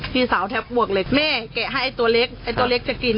พี่สาวแทบหมวกเหล็กแม่แกะให้ไอ้ตัวเล็กไอ้ตัวเล็กจะกิน